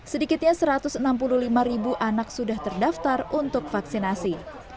sedikitnya satu ratus enam puluh lima ribu anak sudah terdaftar untuk vaksinasi